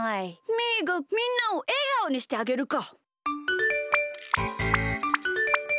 みーがみんなをえがおにしてあげるか！